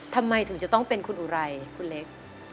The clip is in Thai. ทำไมถึงจะต้องเป็นคุณอุไรคุณเล็ก